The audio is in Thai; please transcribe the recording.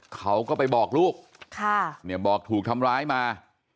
เขาก็ไปบอกลูกบอกถูกทำร้ายมา